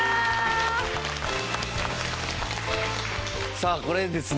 さあこれですね